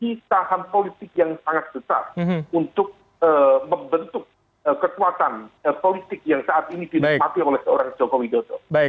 dan itu adalah politik yang sangat besar untuk membentuk kekuatan politik yang saat ini dinikmati oleh seorang jokowi dodo